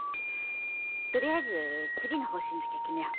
とりあえず次の方針だけ決めよう。